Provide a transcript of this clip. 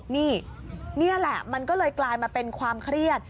นี่นี่แหละมันก็เลยกลายมาเป็นความเครียด